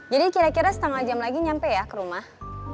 jadi kira kira setengah jam lagi nyampe ya ke rumah